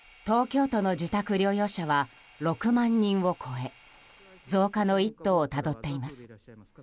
東京都の自宅療養者は６万人を超え増加の一途をたどっています。